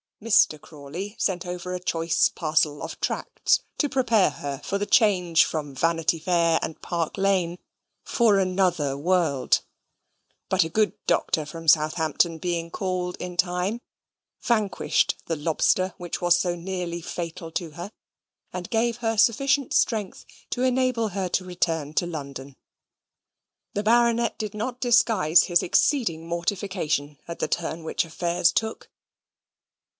Mr. Crawley sent over a choice parcel of tracts, to prepare her for the change from Vanity Fair and Park Lane for another world; but a good doctor from Southampton being called in in time, vanquished the lobster which was so nearly fatal to her, and gave her sufficient strength to enable her to return to London. The Baronet did not disguise his exceeding mortification at the turn which affairs took.